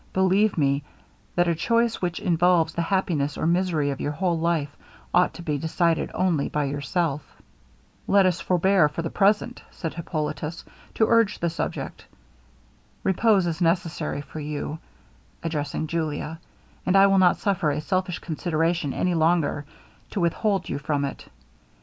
Believe me, that a choice which involves the happiness or misery of your whole life, ought to be decided only by yourself.' 'Let us forbear for the present,' said Hippolitus, 'to urge the subject. Repose is necessary for you,' addressing Julia, 'and I will not suffer a selfish consideration any longer to with hold you from it.